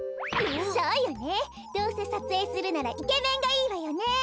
そうよねどうせさつえいするならイケメンがいいわよね。